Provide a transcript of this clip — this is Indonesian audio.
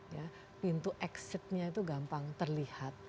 ya pintu exitnya itu gampang terlihat